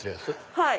はい。